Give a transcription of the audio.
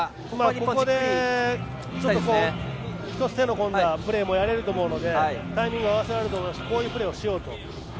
ここでちょっと手の込んだプレーをやれると思うのでタイミングを合わせられますしこういうプレーをしようと。